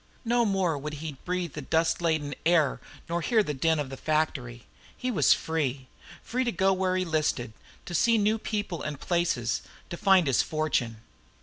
No more would he breathe the dust laden air nor hear the din of the factory. He was free; free to go where he listed, to see new people and places, to find his fortune.